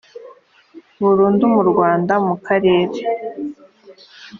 burundu mu rwanda mu karere